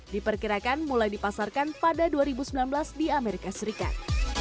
diperkirakan mulai dipasarkan pada dua ribu sembilan belas di amerika serikat